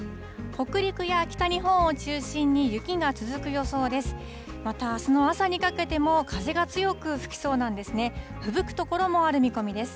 北陸や北日本を中心に、雪が続く予想です。